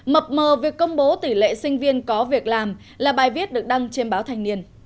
mập mờ việc công bố tỷ lệ sinh viên có việc làm là bài viết được đăng trên báo thanh niên